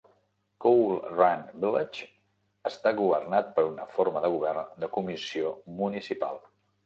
Coal Run Village està governat per una forma de govern de comissió municipal.